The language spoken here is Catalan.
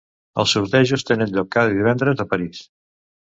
Els sortejos tenen lloc cada divendres a París.